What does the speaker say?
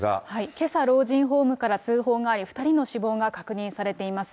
けさ老人ホームから通報があり、２人の死亡が確認されています。